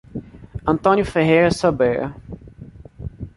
Antônio Ferreira Sobreira